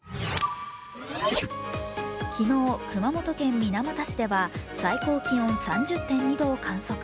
昨日、熊本県水俣市では最高気温３０．２度を観測。